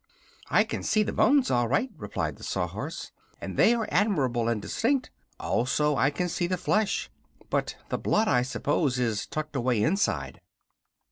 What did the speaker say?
"I can see the bones all right," replied the Sawhorse, "and they are admirable and distinct. Also I can see the flesh. But the blood, I suppose, is tucked away inside."